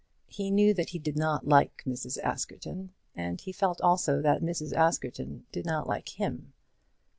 He knew that he did not like Mrs. Askerton, and he felt also that Mrs. Askerton did not like him.